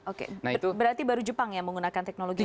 oke berarti baru jepang yang menggunakan teknologi